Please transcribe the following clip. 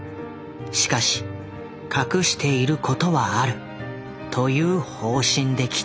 しかし隠していることはあるという方針できた」。